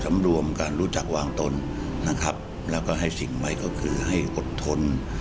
รวมการรู้จักวางตนนะครับแล้วก็ให้สิ่งใหม่ก็คือให้อดทน